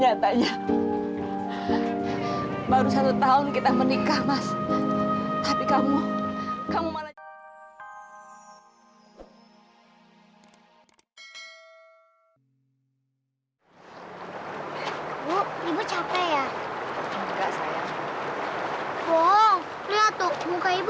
jadi ibu nggak usah capek capek kayak gini